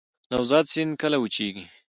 نوزاد سیند کله وچیږي؟